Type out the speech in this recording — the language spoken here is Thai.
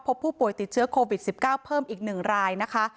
พบผู้ป่วยติดเชื้อโควิด๑๙เพิ่มอีก๑รายนะคะ